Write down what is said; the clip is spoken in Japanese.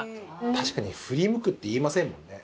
確かに「振り向く」って言いませんもんね。